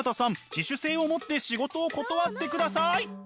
自主性を持って仕事を断ってください！